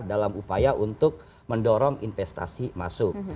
dalam upaya untuk mendorong investasi masuk